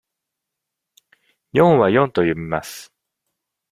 「四」は「よん」と読みます。